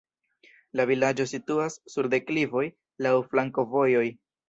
La vilaĝo situas sur deklivoj, laŭ flankovojoj.